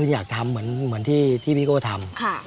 อยากทำเหมือนที่พี่โก้ทำ